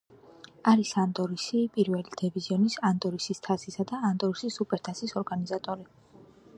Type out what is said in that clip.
არის ანდორის პირველი დივიზიონის, ანდორის თასისა და ანდორის სუპერთასის ორგანიზატორი.